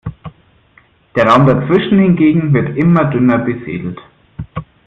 Der Raum dazwischen hingegen wird immer dünner besiedelt.